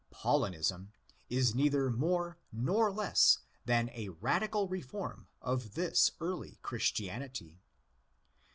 Paulinism is neither more nor less than a radical reform of this early Christianity.